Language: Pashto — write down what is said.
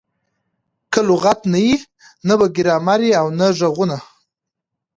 که لغت نه يي؛ نه به ګرامر يي او نه ږغونه.